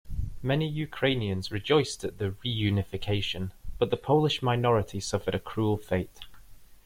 Many Ukrainians rejoiced at the "reunification", but the Polish minority suffered a cruel fate.